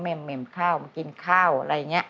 เหมข้าวมากินข้าวอะไรอย่างนี้